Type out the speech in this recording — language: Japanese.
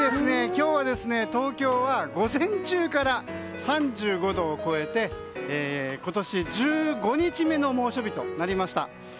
今日は東京は午前中から３５度を超えて今年１５日目の猛暑日となりました。